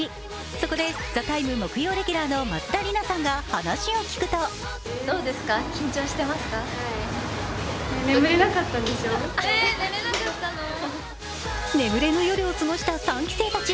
そこで「ＴＨＥＴＩＭＥ，」木曜レギュラーの松田里奈さんが話を聞くと眠れぬ夜を過ごした三期生たち。